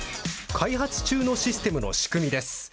開発中のシステムの仕組みです。